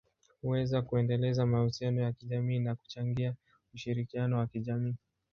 huweza kuendeleza mahusiano ya kijamii na kuchangia ushirikiano wa kijamii.